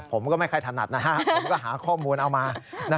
ผมก็ไม่ค่อยถนัดนะฮะผมก็หาข้อมูลเอามา